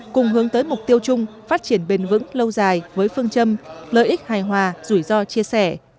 cùng hướng tới mục tiêu chung phát triển bền vững lâu dài với phương châm lợi ích hài hòa rủi ro chia sẻ